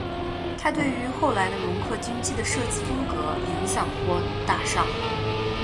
它对于后来容克军机的设计风格影响颇大上。